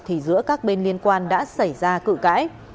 thì giữa các bên liên quan đã xảy ra cự cãi